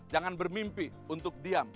jangan bermimpi untuk diam